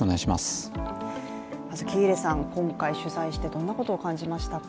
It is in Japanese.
まず喜入さん、今回取材してどんなことを感じましたか？